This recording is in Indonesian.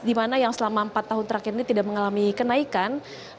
di mana yang selama empat tahun terakhir ini tidak mengalami kenaikan